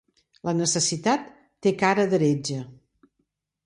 La necessitat té cara d'heretge.